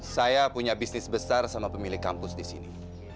saya punya bisnis besar sama pemilik kampus di sini